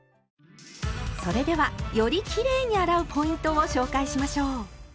それではよりきれいに洗うポイントを紹介しましょう。